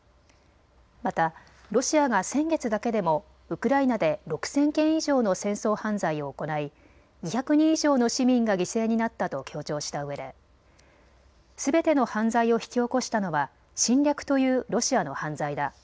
またロシアが先月だけでもウクライナで６０００件以上の戦争犯罪を行い２００人以上の市民が犠牲になったと強調したうえですべての犯罪を引き起こしたのは侵略というロシアの犯罪だ。